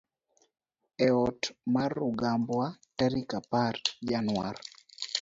e ot mar Rugambwa tarik apar januar